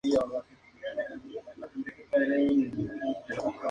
Se encuentra rodeado por el fiordo, montañas y marismas cercanas.